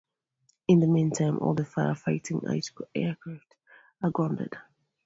In the meantime, all fire-fighting aircraft are grounded.